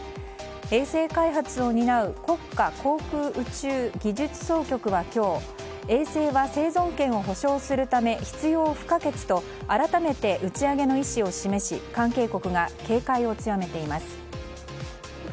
衛星開発を担う国家航空宇宙技術総局は今日衛星は生存権を保障するため必要不可欠と改めて打ち上げの意思を示し関係国が警戒を強めています。